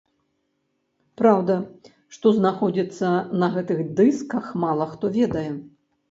Праўда, што знаходзіцца на гэтых дысках мала хто ведае.